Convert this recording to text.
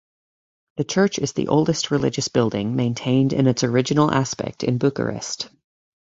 The church is "the oldest religious building maintained in its original aspect in Bucharest".